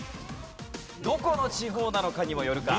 どこの地方なのかにもよるか？